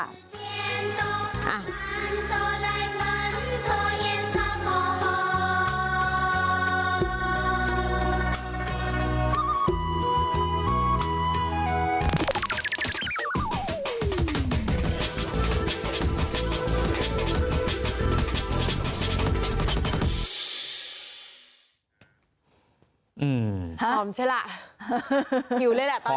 สวัสดีค่ะ